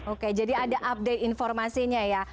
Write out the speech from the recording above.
oke jadi ada update informasinya ya